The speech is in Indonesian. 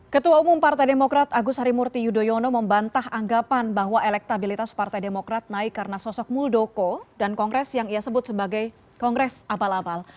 ketua umum partai demokrat agus harimurti yudhoyono membantah anggapan bahwa elektabilitas partai demokrat naik karena sosok muldoko dan kongres yang ia sebut sebagai kongres abal abal